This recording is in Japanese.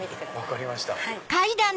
分かりました。